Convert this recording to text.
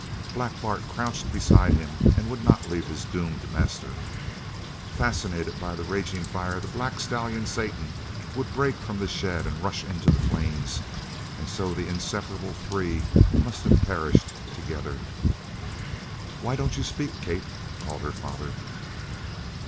Black Bart crouched beside him and would not leave his doomed master. Fascinated by the raging fire the black stallion Satan would break from the shed and rush into the flames! and so the inseparable three must have perished together! "Why don't you speak, Kate?" called her father.